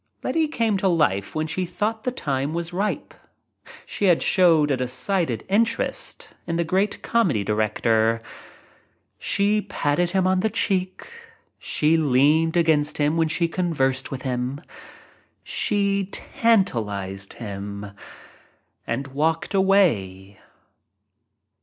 Letty came to life THE GREAT LETTY 37 she thought the time was ripe. She showed a decided interest in the great comedy director. She patted him on the cheek — she leaned against him when she conversed with him ; she tantalized him and walked a^ay.